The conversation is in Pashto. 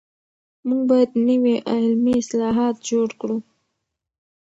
موږ بايد نوي علمي اصطلاحات جوړ کړو.